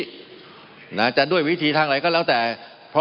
เพราะฉะนั้นสิ่งที่ผมเป็นกังวลแต่ตอนนั้นก็คือผมเปิดอกแล้วกัน